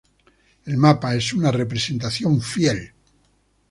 El mapa es una representación fiel.